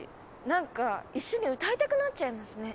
なんか一緒に歌いたくなっちゃいますね。